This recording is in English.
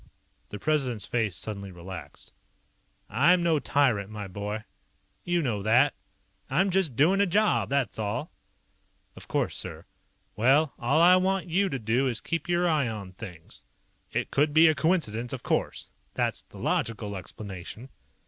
The President's face suddenly relaxed. "I'm no tyrant, my boy. You know that. I'm just doing a job, that's all." "Of course, sir " "Well, all I want you to do is keep your eye on things. It could be a coincidence of course. That's the logical explanation."